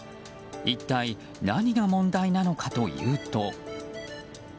一体何が問題なのかというと。